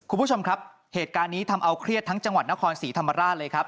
คุณผู้ชมครับเหตุการณ์นี้ทำเอาเครียดทั้งจังหวัดนครศรีธรรมราชเลยครับ